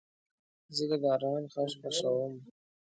زه د باران غږ خوښوم.